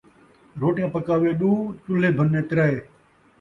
روٹیاں پکاوے ݙو ، چُلھے بھنے ترائے